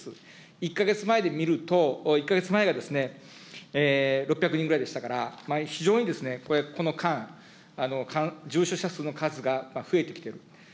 １か月前で見ると、１か月前が６００人ぐらいでしたから、非常にこの間、重症者数の数が増えてきている。